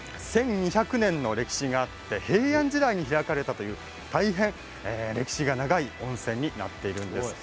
１２００年の歴史があって平安時代に開かれたという大変、歴史が長い温泉になっています。